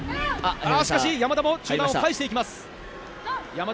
しかし、山田も中断を返していきます。